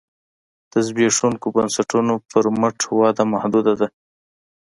د زبېښونکو بنسټونو پر مټ وده محدوده ده